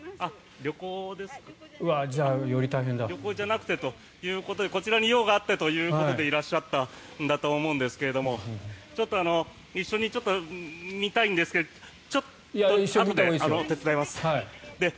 旅行じゃなくてということでこちらに用があってということでいらっしゃったんだと思うんですが一緒に見たいんですけどもちょっとあとで手伝います。